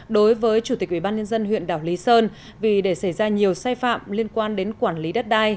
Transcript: đối với chủ tịch ubnd huyện đảo lý sơn vì để xảy ra nhiều sai phạm liên quan đến quản lý đất đai